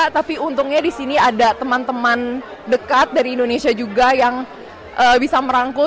tapi untungnya di sini ada teman teman dekat dari indonesia juga yang bisa merangkul